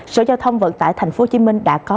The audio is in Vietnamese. sở giao thông vận tải tp hcm đã có